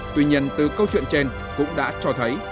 tuy nhiên từ câu chuyện trên cũng đã cho thấy